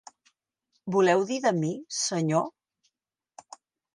Voleu dir de mi, senyor?